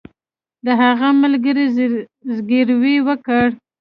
د هغه ملګري زګیروی وکړ